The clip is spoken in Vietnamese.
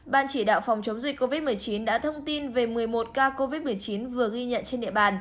ban chỉ đạo phòng chống dịch covid một mươi chín đã thông tin về một mươi một ca covid một mươi chín vừa ghi nhận trên địa bàn